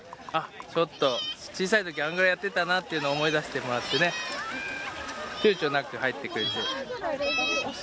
ちょっと小さいときあれくらいやってたなっていうのを思い出してもらってねちゅうちょなく入ってくれて。